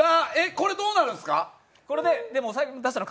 これ、どうなるんですか？